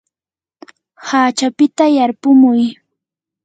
hachapita yarpumuy.